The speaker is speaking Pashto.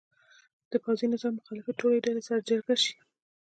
د پوځي نظام مخالفې ټولې ډلې سره جرګه شي.